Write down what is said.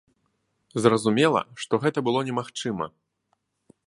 Зразумела, што гэта было немагчыма.